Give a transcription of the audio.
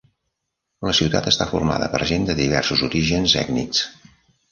La ciutat està formada per gent de diversos orígens ètnics.